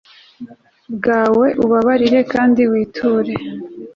bwawe ubabarire kandi witure